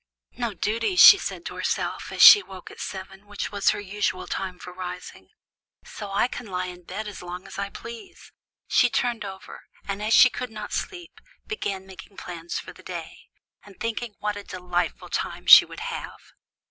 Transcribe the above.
"No duties" she said to herself, as she woke at seven, which was her usual time for rising; "so I can lie in bed as long as I please." She turned over, and as she could not sleep, began making plans for the day, and thinking what a delightful time she would have.